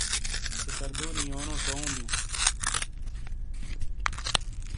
سکردو نی یونو چؤوں بیؤں۔